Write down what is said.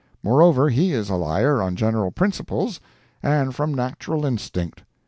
Moreover, he is a liar on general principles, and from natural instinct.